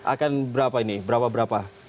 akan berapa ini berapa berapa